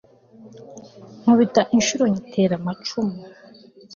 nkubita inshuro nyitera amacumu